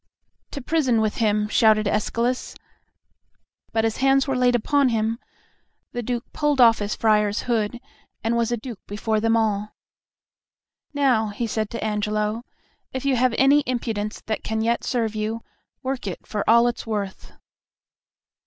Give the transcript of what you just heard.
"To prison with him!" shouted Escalus, but as hands were laid upon him, the Duke pulled off his friar's hood, and was a Duke before them all. "Now," he said to Angelo, "if you have any impudence that can yet serve you, work it for all it's worth."